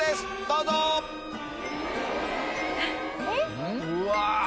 うわ！